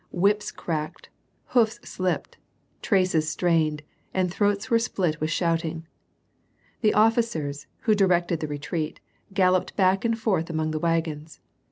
Whips cracked, boofs slipped, traces strained, and throats were split with shouting. The officers, who directed the retreat, galloijed Wk and forth among the wagons.